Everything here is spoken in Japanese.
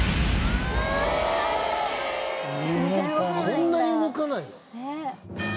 こんなに動かないの？